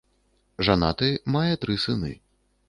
Жанаты, мае тры сыны.